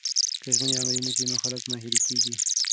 که ژمنې عملي نسي نو خلک ناهیلي کیږي.